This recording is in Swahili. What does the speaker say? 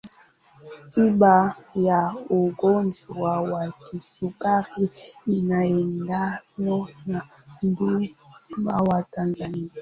tiba ya ugonjwa wa kisukari inaendana na muda wa tatizo